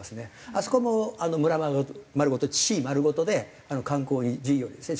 あそこも村丸ごと市丸ごとで観光事業にですね